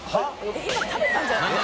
今食べたんじゃ？